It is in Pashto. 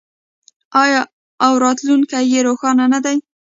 آیا او راتلونکی یې روښانه نه دی؟